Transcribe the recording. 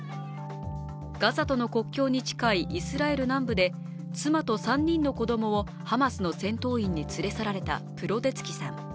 ガザとの国境に近いイスラエル南部で妻と３人の子供をハマスの戦闘員に連れ去られたプロデツキさん。